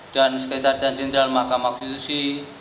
dan sekitar dan jenderal mk konstitusi